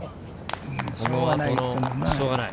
しょうがない。